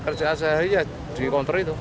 pekerjaan saya di kontor itu